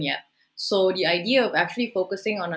jadi ide untuk fokus pada